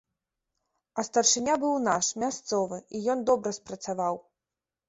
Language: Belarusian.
А старшыня быў наш, мясцовы, і ён добра спрацаваў.